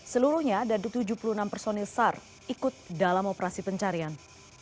seluruhnya ada tujuh puluh enam personil sar ikut dalam operasi pencarian